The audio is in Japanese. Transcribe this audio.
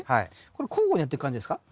これ交互にやっていく感じですか？